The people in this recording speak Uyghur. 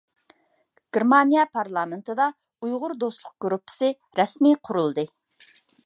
گېرمانىيە پارلامېنتىدا «ئۇيغۇر دوستلۇق گۇرۇپپىسى» رەسمىي قۇرۇلدى.